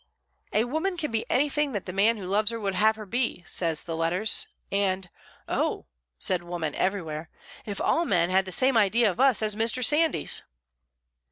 "A woman can be anything that the man who loves her would have her be," says the "Letters"; and "Oh," said woman everywhere, "if all men had the same idea of us as Mr. Sandys!"